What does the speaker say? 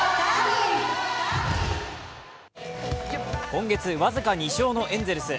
今月僅か２勝のエンゼルス。